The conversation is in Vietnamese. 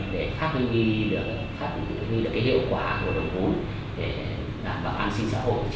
để phát hình như được cái hiệu quả của đồng vốn để bảo an sinh xã hội trên địa bàn tỉnh